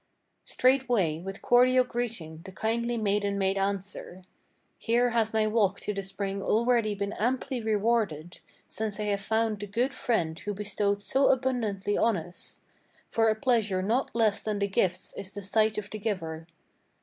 Straightway with cordial greeting the kindly maiden made answer: "Here has my walk to the spring already been amply rewarded, Since I have found the good friend who bestowed so abundantly on us; For a pleasure not less than the gifts is the sight of the giver.